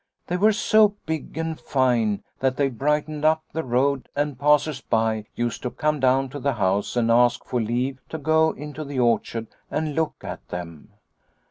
They were so big and fine that they brightened up the road and passers by used to come down to the house and ask for leave to go into the orchard and look at them.